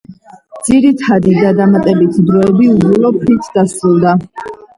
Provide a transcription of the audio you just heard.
ძირითადი და დამატებითი დროები უგოლო ფრით დასრულდა.